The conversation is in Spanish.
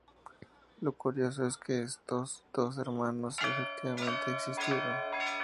Lo curioso es que estos dos hermanos efectivamente existieron.